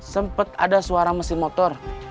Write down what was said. sempat ada suara mesin motor